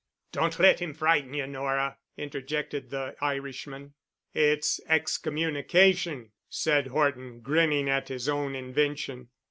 "Don't let him frighten you, Nora," interjected the Irishman. "It's Excommunication," said Horton, grinning at his own invention.